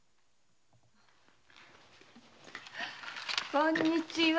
こんにちは。